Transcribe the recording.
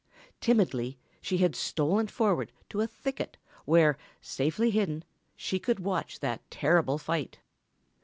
Timidly she had stolen forward to a thicket where, safely hidden, she could watch that terrible fight.